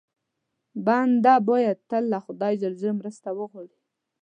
بنده باید تل له خدای ج مرسته وغواړي.